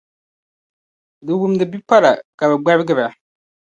di wumdi bipala ka bɛ gbarigira.